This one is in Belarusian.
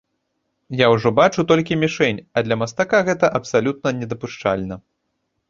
Я ўжо бачу толькі мішэнь, а для мастака гэта абсалютна недапушчальна.